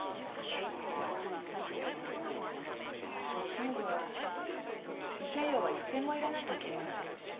彼女は「慰謝料は１銭もいらない」と言っています。